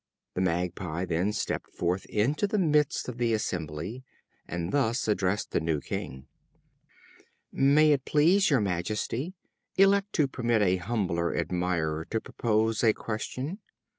The Magpie then stepped forth into the midst of the assembly, and thus addressed the new king: "May it please your majesty, elect to permit a humble admirer to propose a question.